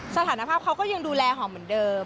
สถานภาพเขาก็ยังดูแลหอมเหมือนเดิม